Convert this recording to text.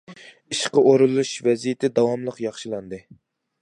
ئىشقا ئورۇنلىشىش ۋەزىيىتى داۋاملىق ياخشىلاندى.